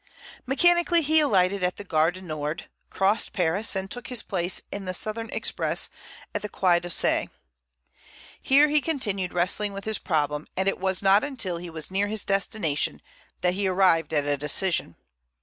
Mechanically he alighted at the Gare du Nord, crossed Paris, and took his place in the southern express at the Quai d'Orsay. Here he continued wrestling with his problem, and it was not until he was near his destination that he arrived at a decision.